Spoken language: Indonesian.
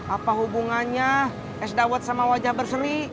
apa hubungannya es dawet sama wajah berseri